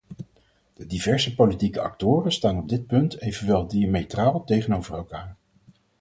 De diverse politieke actoren staan op dit punt evenwel diametraal tegenover elkaar.